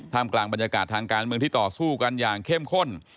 กลางบรรยากาศทางการเมืองที่ต่อสู้กันอย่างเข้มข้น